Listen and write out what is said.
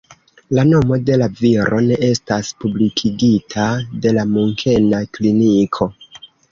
La nomo de la viro ne estas publikigita de la Munkena kliniko.